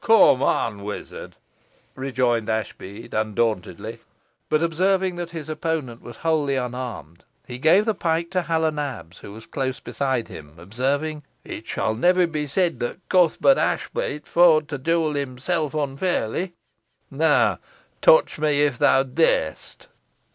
"Cum on, wizard," rejoined Ashbead undauntedly. But, observing that his opponent was wholly unarmed, he gave the pike to Hal o' Nabs, who was close beside him, observing, "It shall never be said that Cuthbert Ashbead feawt t' dule himsel unfairly. Nah, touch me if theaw dar'st."